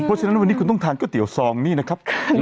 เพราะฉะนั้นวันนี้คุณต้องทานก๋นี้นะครับ